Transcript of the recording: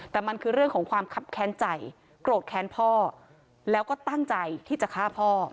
แต่มันคือเรื่องของความคับแค้นใจโกรธแค้นพ่อแล้วก็ตั้งใจที่จะฆ่าพ่อ